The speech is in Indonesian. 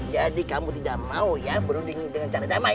jadi kamu tidak mau ya berundingin dengan cara damai